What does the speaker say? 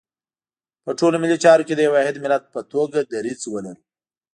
په ټولو ملي چارو کې د یو واحد ملت په توګه دریځ ولرو.